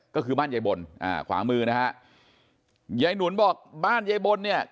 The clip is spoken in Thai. ก็คือบ้านยายบนอ่าขวามือนะฮะยายหนุนบอกบ้านยายบนเนี่ย